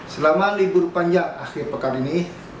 selama libur panjang akhir pekan ini